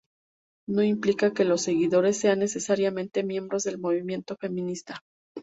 No implica que los seguidores sean necesariamente miembros del movimiento feminista.